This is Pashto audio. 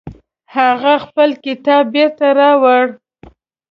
هغې خپل کتاب بیرته راوړ